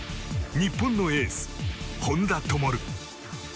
日本のエース、本多灯。